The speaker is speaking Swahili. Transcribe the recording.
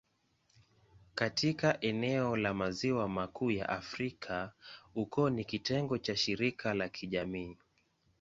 Katika eneo la Maziwa Makuu ya Afrika, ukoo ni kitengo cha shirika la kijamii.